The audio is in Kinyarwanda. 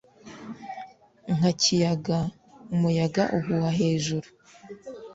nka kiyaga umuyaga uhuha hejuru